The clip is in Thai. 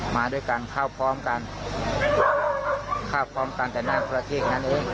มาด้วยกันเข้าพร้อมกันเข้าพร้อมกันแต่หน้าประเทศนั้นเอง